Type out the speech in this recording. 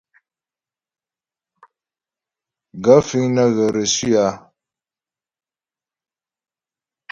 Gaə̂ fíŋ nə́ ghə̀ reçu a ?